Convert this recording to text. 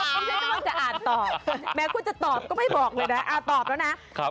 แม้ว่าจะอ่านต่อแม้คุณจะตอบก็ไม่บอกเลยนะตอบแล้วนะ